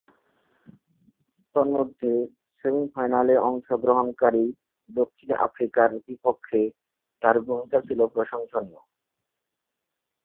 তন্মধ্যে, সেমি-ফাইনালে অংশগ্রহণকারী দক্ষিণ আফ্রিকার বিপক্ষে তার ভূমিকা ছিল প্রশংসনীয়।